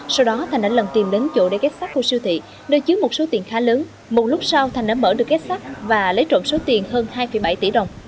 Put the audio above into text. sau đó thành đã lần tìm đến chỗ để kết phát khu siêu thị nơi chứa một số tiền khá lớn một lúc sau thành đã mở được kết sắt và lấy trộm số tiền hơn hai bảy tỷ đồng